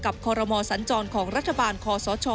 คอรมอสัญจรของรัฐบาลคอสช